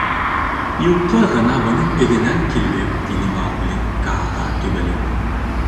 — Юҡҡа ғына бының әҙенән килдек, — тине Маугли, Кааға төбәлеп.